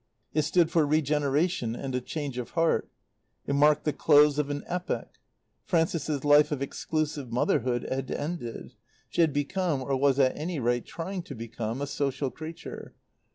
It stood for regeneration and a change of heart. It marked the close of an epoch. Frances's life of exclusive motherhood had ended; she had become, or was at any rate trying to become, a social creature.